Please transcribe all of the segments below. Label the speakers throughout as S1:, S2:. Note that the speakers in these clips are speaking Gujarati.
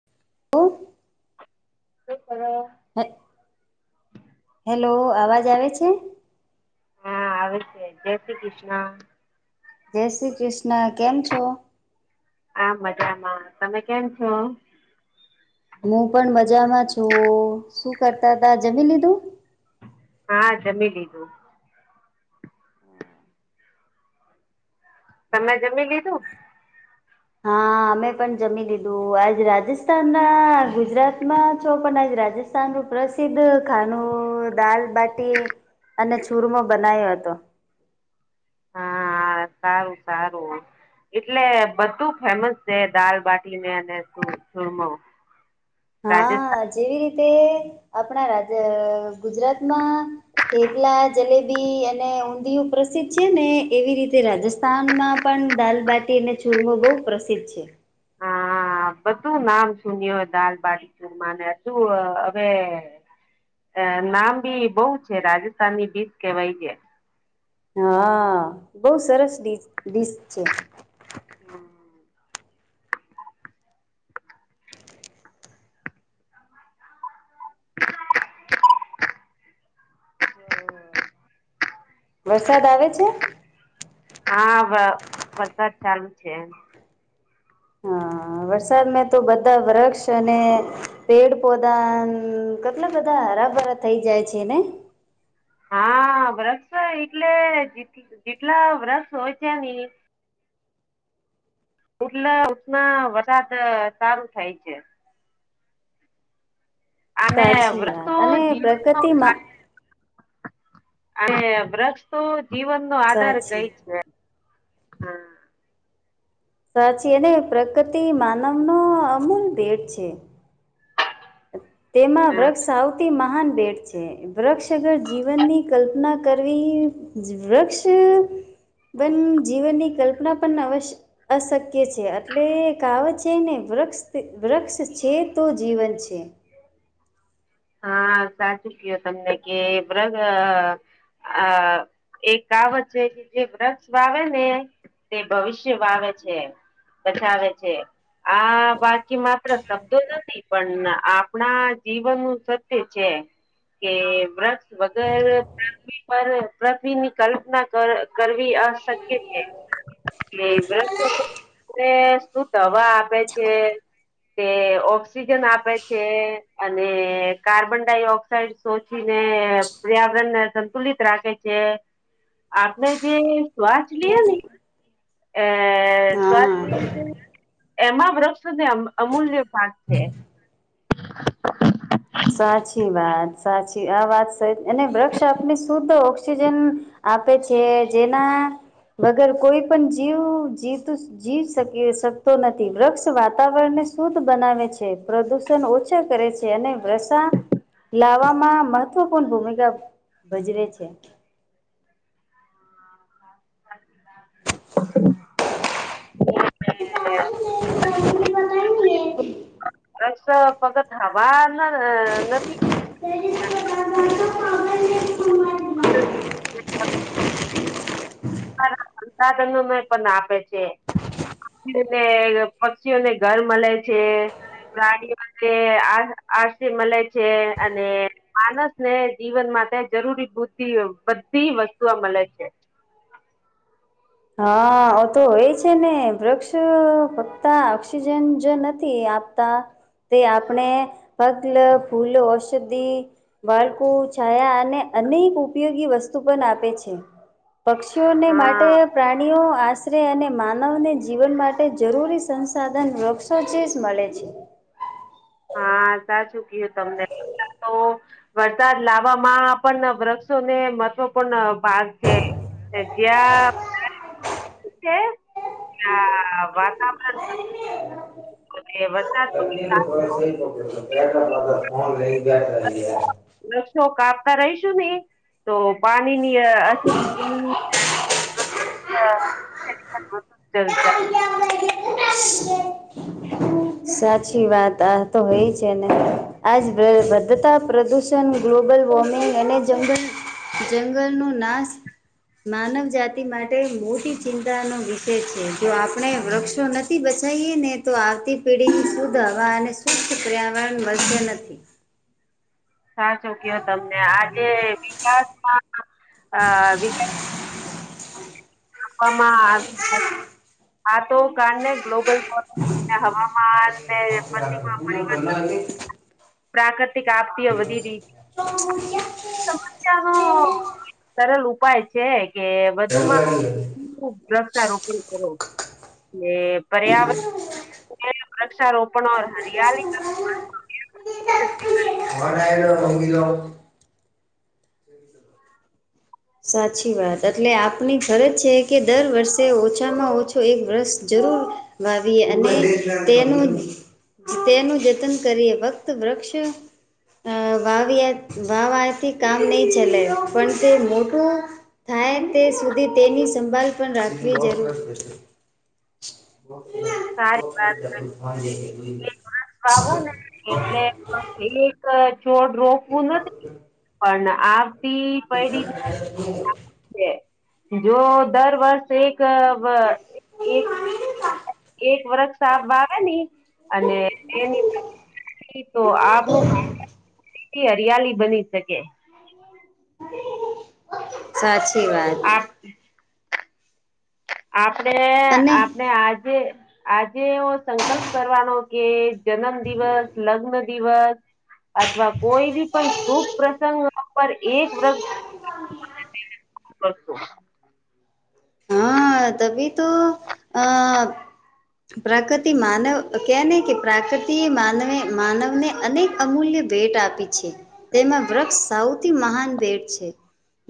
S1: [inaudible]
S2: [unintelligible]
S1: હ. હેલો અવાજ આવે છે.
S2: હા આવે છે જય શ્રી કૃષ્ણ.
S1: જય શ્રી કૃષ્ણ કેમ છો.
S2: આ મજામાં તમે કેમ છો.
S1: હું પણ મજામાં છું શું કરતા હતા જમી લીધું.
S2: હા જમી લીધું. તમે જમી લીધું.
S1: હા અમે પણ જમી લીધું આજ રાજસ્થાન ના ગુજરાતમાં છો પણ આજ રાજસ્થાન. નુ પ્રસિદ્ધ ખાનું દાલબટી અને છુરમો બનાયો હતો.
S2: હા હા સારું સારું. એટલે બધું ફેમસ છે દાલ બાટી ને અને છૂરમો.
S1: હા જેવી રીતે આપણા રાજ્ય ગુજરાતમાં. તેપલા જલેબી અને ઊંધિયુ પ્રસિદ્ધ છે ને એવી રીતે રાજસ્થાનમાં. પણ દાલબાટી અને ચુરમો બહુ પ્રસિદ્ધ છે.
S2: હા બધું નામ સુન્યું હો દાલ બાડી ચુરમાને શું હવે. નામ બી બહુ છે રાજસ્થાનની બીચ કેવાય છે.
S1: હા બહ સરસ ડીશ છે.
S2: [inaudible]
S1: વરસાદ આવે છે.
S2: હા વરસાદ ચાલુ છે.
S1: હા વરસાદમાં તો બધા વૃક્ષ અને. પેડ પૌધા કેટલા બધા હરાભરા થઈ જાય છે ને.
S2: હા વ્રક્ષ એટલે જેટલા વ્રક્ષ હોય છે ની. એટલે ઉષ્મા વરસાદ સારું થાય છે. અને
S1: સાચી
S2: વૃક્ષ
S1: વાત
S2: તો
S1: અને
S2: જીવન
S1: પ્રગતિમાં.
S2: અને વૃક્ષ તો જીવન નો આધાર
S1: સાચી
S2: કઈ છે હ.
S1: સાચી એને પ્રકૃતિ માનવ નો અમૂલ ભેટ છે. તેમાં
S2: હા
S1: વૃક્ષ સૌથી મહાન બેટ છે. વૃક્ષ અગર જીવનની કલ્પના કરવી વૃક્ષ. બન જીવનની કલ્પના પણ અવશ્ય. અશક્ય છે એટલે કાવત છે ને વૃક્ષ. વૃક્ષ છે, તો જીવન છે.
S2: હા સાચુ ક્યો તમને કે વૃગગ. આ એકાવત છે કે જે વૃક્ષ વાવે ને. તે ભવિષ્ય વાવે છે, બચાવે છે. આ બાકી માત્ર શબ્દો નથી પણ આપણા જીવનનું. સત્ય છે કે વૃક્ષ વગર પ્રાક. પૃથ્વીની કલ્પના કરવી અશક્ય છે. કે વૃક્ષો [inaudible] તમને શુદ્ધ હવા આપે છે. તે ઓક્સિજન આપે છે અને. કાર્બન ડાયોક્સાઇડ શોચી ને પર્યાવરણ ને સંતુલિત રાખે છે. આપણે જે શ્વાસ લીએ ને એ સ્ શ્વાસ
S1: હા
S2: [unintelligible] એમાં વૃક્ષોને અમૂલ્ય ભાગ છે.
S1: સાચી વાત સાચી આ વાત અને વૃક્ષ આપને શુદ્ધ ઓક્સિજન. આપે છે જેના વગર કોઈ પણ જીવ જીવતું જીવ શકી શકતો નથી વૃક્ષ વાતાવરણને શુદ્ધ બનાવે છે, પ્રદુષ ન ઓછા કરે છે અને વૃશ લાવવામાં મહત્વપૂર્ણ ભૂમિકા ભજવે છે.
S2: [inaudible] [inaudible] રક્ષ ફગત હવા ન નથી
S1: [inaudible]
S2: સંસાધન મેં પણ આપે છે. પીને પક્ષીઓને ઘર મળે છે. ગાડીઓ ને આ આરસી મળે છે અને માનસ ને જીવન માટે જરૂરી બુદ્ધિ બધી વસ્તુઓ મળે છે.
S1: હા ઓ તો હોય છે ને વૃક્ષ ફક્ત ઓક્સિજન જ નથી આપ તા તે આપણે પગલ ફૂલ, ઔષધી, બાળકો છાયા અને અનેક ઉપયોગી વસ્તુ પણ આપે છે. પક્ષીઓની માટે
S2: હા
S1: પ્રાણીઓ આશરે અને માનવને જીવન માટે જરૂરી સંસાધન વૃક્ષ શું ચીઝ મળે છે?
S2: હા સાચું કું તમને તો વરસાદ લાવવામાં પણ વૃક્ષોને મહત્વપૂર્ણ ભાગ છે. [unintelligible] ત્યા વાત [unintelligible]
S1: [unintelligible]
S2: વૃક્ષો કાપતા રહીશું ને તો પાણીની અછ ગરમીની હા ચલતા
S1: સાચી વાત આ તો હ છે, ને આજ વ વધતા પ્રદુ ષણ ગ્લોબલ વોર્મિંગ અને જંગલ જંગલ નો નાશ માનવ જાતિ માટે મોટી ચિંતા નો વિષય છે, જો આપણે વૃક્ષો ન થી બચાઈએ ને તો આવતી પેઢી ની શુદ્ધ હવા અને શુદ્ધ પર્યાવરણ વધસે ન
S2: સાચો કયો તમને આજે વિકાસમાં અ વિકાસ આપ આ આ તો કારણને ગ્લોબલ વોર્મિંગ હવામાન ને બધી આપણી
S1: [unintelligible]
S2: પ્રાકૃતિક આપતિઓ વધી રહી સમસ્યા નો સરલ ઉપાય છે કે વધુમાં વૃક્ષા રોપણી કરો કે પર્યાવરણ વૃક્ષારોપણ હરિયાળલી [inaudible]
S1: [unintelligible] સાચી વાત એટલે આપની ખરજ છે, કે દર વર્ષે ઓછામાં ઓછો એક વર્ષ જરૂર વાવી અને તેનું તેનું જતન કરીએ વક્ત વૃક્ષ અ વાવીએ વાવાથી કામ નહીં ચલે પણ તે મોટું થાય તે સુધી તેની સંભળ પણ રાખવી જરૂર
S2: સારી વાત
S1: [unintelligible]
S2: [unintelligible] એક છોડ રોપવું નથી પણ આ
S1: [inaudible] [inaudible] [inaudible]
S2: જો દર વર્ષ એક એક એક વર્ષ સાફ બા આવે ની અને એની તો આપનું હરિયાલી બની શકે
S1: સાચી વાત
S2: આપ આપણે
S1: અને
S2: આપણે આજે આજે એવો સંકલ્પ કરવાનો કે જન્મ દિવસ, લગ્ન દિવસ અથવા કોઈ બી પણ શુભ પ્રસંગ પર એક વ્રત કરશું
S1: હા તભી તો આ પ્રકૃતિ માનવ કેને કે પ્રકૃતિ એ માન માનવને અનેક અમૂલ્ય ભેટ આપી છે તેમાં વૃક્ષ સૌથી મહાન ભેટ છે.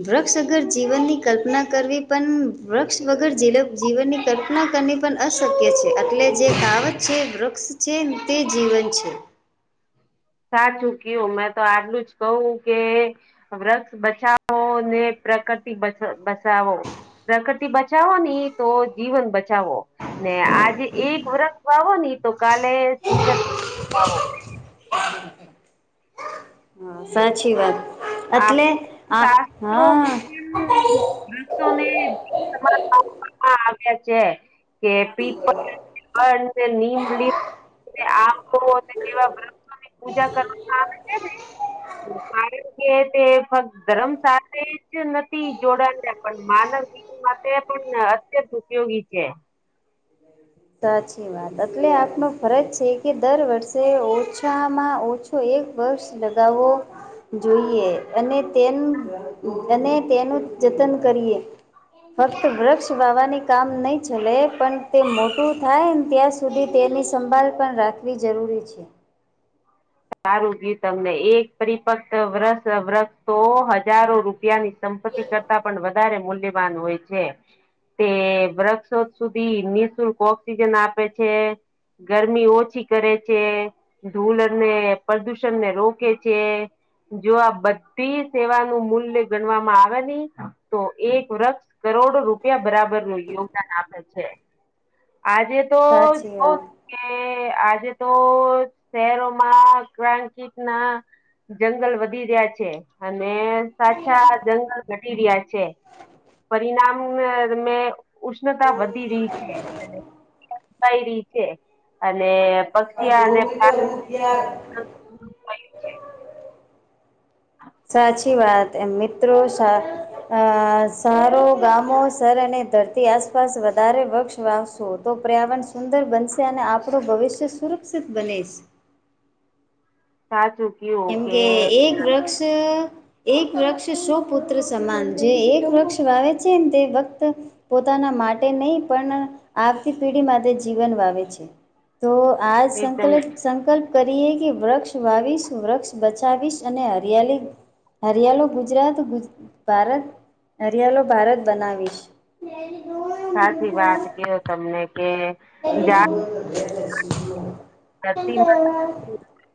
S1: વૃક્ષ અગર જીવનની કલ્પના કરવી પણ વૃક્ષ વગર જીવન જીવનની કલ્પના કરની પણ અશક્ય છે એટલે જે કાવત છે વૃક્ષ જે તે જીવન છે.
S2: સાચું કયું મેં તો આટલું જ કહું કે વૃક્ષ બચાવો ને પ્રકૃતિ બચાવો પ્રકૃતિ બચાવો ની તો જીવન બચાવો ને આજે એક વર્ષ વાવો ની તો કાલે સુંદર વાવો
S1: હા સાચી વાત
S2: આ
S1: એટલે આ હા
S2: શાસ્ત્રોમાં પણ વૃક્ષોને તમારા કવામાં આવ્યા છે કે પીપલ પણ [unintelligible] પૂજા કરવામાં આવે છે ને કે તે ફક્ત ધર્મ સાથે જ નથી જોડાણ ને પણ માનવી માટે પણ અત્યંત ઉપયોગી છે.
S1: સાચી વાત એટલે આપનો ફરજ છે કે દર વર્ષે ઓછામાં ઓછ તો એક વર્ષ લગાવો જોઈએ અને તે અને તેનું જતન કરીએ ફક્ત વૃક્ષ વાવાની કામ નહી ચલે પણ છું થાય ને ત્યાં સુધી તેની સંભાળ પણ રાખવી જરૂરી છે.
S2: સારું [unintelligible] તમને એક પરિપક્ત વુક્ષ તો હજારો રૂપિયાની સંપત્તિ કરતા પણ વધારે મૂલ્યવાન હોય છે. તે વૃક્ષો સુધી નિઃશુલ્ક ઓક્સિજન આપે છે. ગરમી ઓછી કરે છે, ધૂલ ને પ્રદૂષણને રોકે છે. છે. જો આ બધી સેવાનું મૂલ્ય ગણવામાં આવે નહી તો એક વૃક્ષ કરોડો રૂપિયા બરાબર નું યોગદાન આપે છે, આજે તો
S1: સાચી
S2: જો
S1: વાત.
S2: કે આજે તો શહેરોમાં ક્રાકીત ના જંગલ વધી રહ્યા છે, અને સાચા જંગલ ઘટી રહ્યા છે. પરિણામ મેં ઉષ્ણતા વધી રહી રીતે અને પક્ષી અને પ્રાણી
S1: [inaudible]
S2: [unintelligible] [inaudible]
S1: સાચી વાત એમ મિત્રો અ સારો ગામો સર અને ધરતી આસપાસ વધારે વૃક્ષ વાવશો તો પર્યાવરણ સુંદર બનશે અને આપણું ભવિષ્ય સુરક્ષિત બનીશ
S2: સાચું.
S1: કેમ કે એક વૃક્ષ એક વૃક્ષ સો પુત્ર સમાન જે એક વૃક્ષ વાવે છે, તે વક્ત પોતાના માટે નહીં પણ આવતી પેઢી માટે જીવન વાવે છે. તો આજ
S2: એકદમ
S1: સંકલ્પ સંકલ્પ કરીએ કે વૃક્ષ વાવીશ વૃક્ષ બચાવીશ અને હરિયાલી હરિયાલો ગુજરાત ભારત હરિયાલો ભારત બનાવીશ [inaudible]
S2: સાચી વાત કેયો તમને [inaudible]
S1: હ- -
S2: ધરતી મા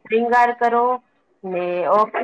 S2: શણગાર કરો ને ઓ- -